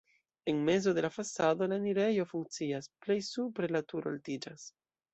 En mezo de la fasado la enirejo funkcias, plej supre la turo altiĝas.